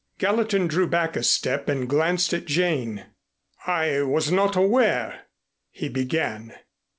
Gallatin drew back a step and glanced at Jane. "I was not aware " he began.